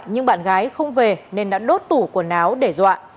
nhưng bạn gái không về nên đã đốt tủ quần áo để dọa